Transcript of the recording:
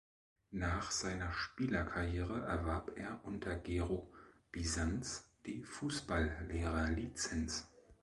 Nach seiner Spielerkarriere erwarb er unter Gero Bisanz die Fußballlehrerlizenz.